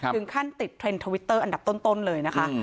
ถึงขั้นติดเทรนด์ทวิตเตอร์อันดับต้นเลยนะคะ